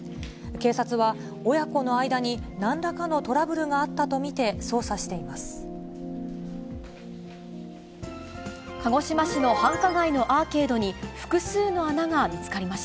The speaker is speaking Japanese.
警察は、親子の間になんらかのトラブルがあったと見て捜査しています。